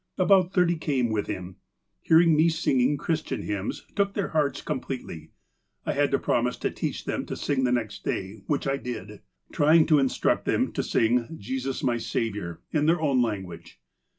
About thirty came with him. Hearing me singing Christian hymns took their hearts com pletely. I had to promise to teach them to sing the next day, which I did, trying to instruct them to sing ' Jesus my Saviour,' in their own language.